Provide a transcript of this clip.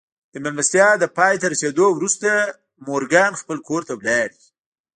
د مېلمستيا له پای ته رسېدو وروسته مورګان خپل کور ته ولاړ.